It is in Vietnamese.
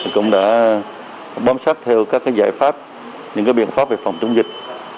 cũng đã bám sát theo các giải pháp những biện pháp về phòng chống dịch